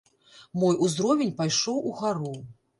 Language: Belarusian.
Мой узровень пайшоў угару.